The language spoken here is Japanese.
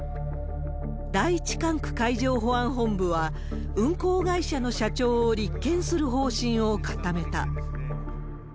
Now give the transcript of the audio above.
第一管区海上保安本部は、運航会社の社長を立件する方針を固めた。